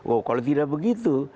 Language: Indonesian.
oh kalau tidak begitu